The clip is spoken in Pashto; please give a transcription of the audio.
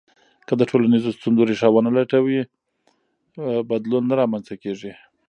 که د ټولنیزو ستونزو ریښه ونه لټوې، بدلون نه رامنځته کېږي.